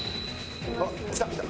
あっ来た！